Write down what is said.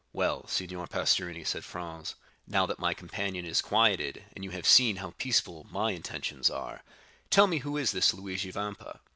"Well, Signor Pastrini," said Franz, "now that my companion is quieted, and you have seen how peaceful my intentions are, tell me who is this Luigi Vampa.